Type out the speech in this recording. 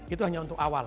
itu hanya untuk awal